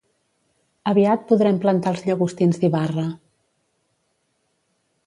Aviat podrem plantar els llagostins d'Ibarra